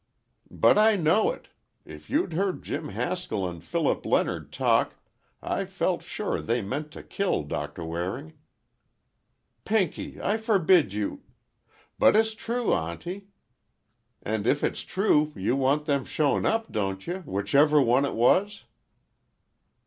"But I know it. If you'd heard Jim Haskell and Philip Leonard talk—I felt sure they meant to kill Doctor Waring." "Pinky, I forbid you—" "But it's true, Auntie. And if it's true, you want them shown up, don't you, whichever one it was?"